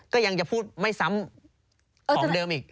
ก็ยังจะพูดไม่ซ้ำของเดิมอีก